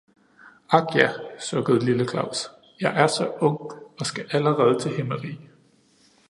"Ak ja!" sukkede lille Claus, "jeg er så ung og skal allerede til himmerig!"